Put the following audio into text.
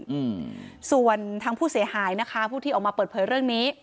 อืมส่วนทางผู้เสียหายนะคะผู้ที่ออกมาเปิดเผยเรื่องนี้